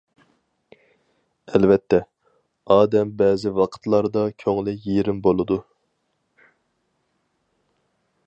ئەلۋەتتە، ئادەم بەزى ۋاقىتلاردا كۆڭلى يېرىم بولىدۇ.